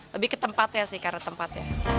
lebih ke tempat ya sih karena tempatnya